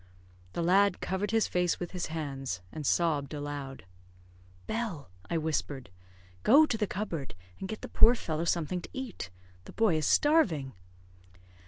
The lad covered his face with his hands, and sobbed aloud. "Bell," I whispered; "go to the cupboard and get the poor fellow something to eat. The boy is starving."